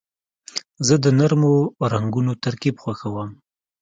زه د نرمو رنګونو ترکیب خوښوم.